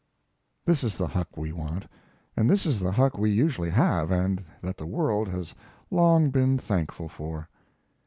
This is the Huck we want, and this is the Huck we usually have, and that the world has long been thankful for.